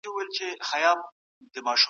د کار ځواک د پراختیا لپاره ګډ کار ته اړتیا ده.